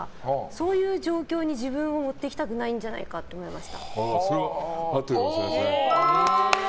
そういう状況に自分を持っていきたくないんじゃそれは、合ってます。